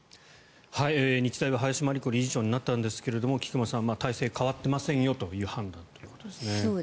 日大は林真理子理事長になったんですが菊間さん、体制変わっていませんよという判断です。